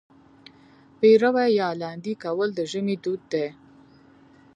پېروی یا لاندی کول د ژمي دود دی.